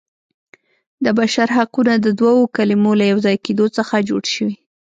د بشر حقونه د دوو کلمو له یو ځای کیدو څخه جوړ شوي.